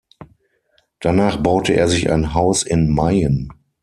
Danach baute er sich ein Haus in Mayen.